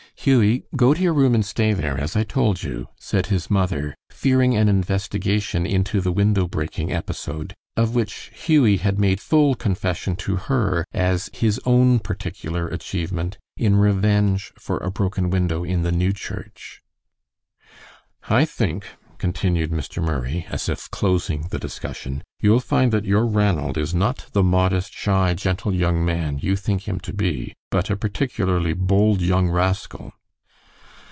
"Hughie, go to your room and stay there, as I told you," said his mother, fearing an investigation into the window breaking episode, of which Hughie had made full confession to her as his own particular achievement, in revenge for a broken window in the new church. "I think," continued Mr. Murray, as if closing the discussion, "you'll find that your Ranald is not the modest, shy, gentle young man you think him to be, but a particularly bold young rascal."